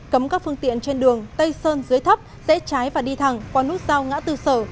cấm các phương tiện trên đường tây sơn dưới thấp dễ trái và đi thẳng qua nút giao ngã tư sở